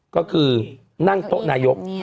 ก็คือนั่งโต๊ะนายก